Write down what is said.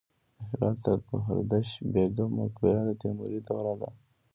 د هرات د ګوهردش بیګم مقبره د تیموري دورې ده